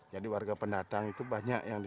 jadi warga pendatang itu banyak